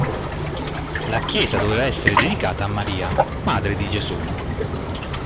La chiesa doveva essere dedicata a Maria, madre di Gesù.